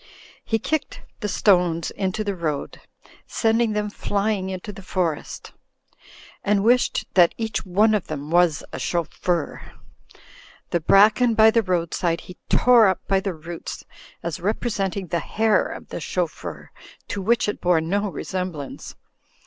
He kicked the stones in the road, sending them flying into the forest, and wished that Digitized by CjOOQ IC 192 THE FLYING INN each one of them was a chauffeur. The bracken by the roadside he tore up by the roots, as representing the hair of the chauffeur, to which it bore no resem blance.